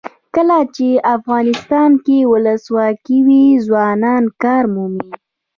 کله چې افغانستان کې ولسواکي وي ځوانان کار مومي.